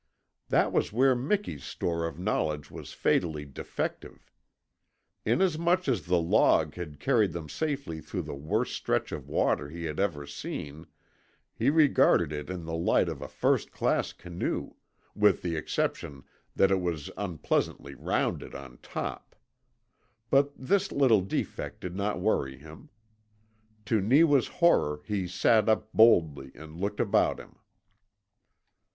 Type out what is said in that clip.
That was where Miki's store of knowledge was fatally defective. Inasmuch as the log had carried them safely through the worst stretch of water he had ever seen he regarded it in the light of a first class canoe with the exception that it was unpleasantly rounded on top. But this little defect did not worry him. To Neewa's horror he sat up boldly, and looked about him.